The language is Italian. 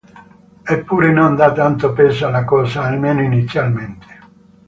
Eppure non dà tanto peso alla cosa, almeno inizialmente.